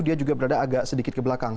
dia juga berada agak sedikit ke belakang